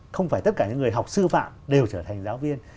không phải tất cả những người học sư phạm đều trở thành giáo viên